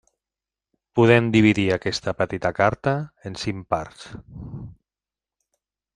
Podem dividir aquesta petita carta en cinc parts.